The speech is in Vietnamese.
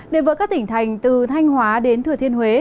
đề vợ các tỉnh thành từ thanh hóa đến thừa thiên huế